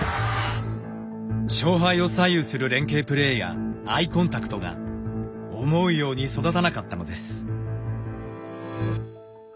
勝敗を左右する連係プレーやアイコンタクトが思うように育たなかったのです。